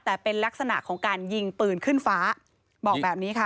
แต่เป็นลักษณะของการยิงปืนขึ้นฟ้าบอกแบบนี้ค่ะ